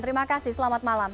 terima kasih selamat malam